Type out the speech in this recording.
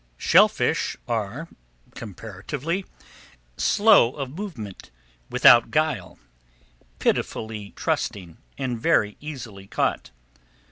Shell fish are, comparatively, slow of movement, without guile, pitifully trusting, and very easily caught.